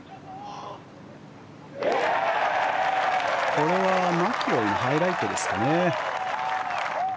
これはマキロイのハイライトですかね。